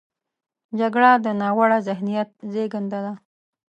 جګړه د ناوړه ذهنیت زیږنده ده